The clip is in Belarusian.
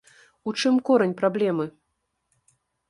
У чым корань праблемы?